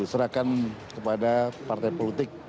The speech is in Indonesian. serahkan kepada partai politik